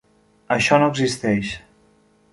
Això no existeix